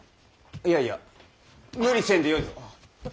いやいや無理せんでよいぞ。